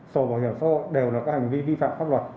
sổ bảo hiểm xã hội đều là các hành vi vi phạm pháp luật